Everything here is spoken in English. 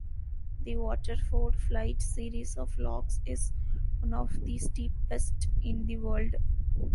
The Waterford Flight series of locks is one of the steepest in the world.